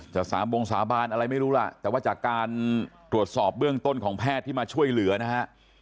สามบงสาบานอะไรไม่รู้ล่ะแต่ว่าจากการตรวจสอบเบื้องต้นของแพทย์ที่มาช่วยเหลือนะฮะ